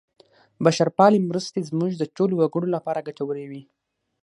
بشرپالې مرستې زموږ د ټولو وګړو لپاره ګټورې وې.